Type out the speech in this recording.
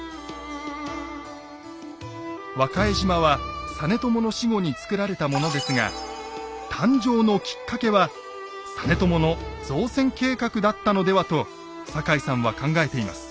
和賀江島は実朝の死後に造られたものですが誕生のきっかけは実朝の造船計画だったのではと坂井さんは考えています。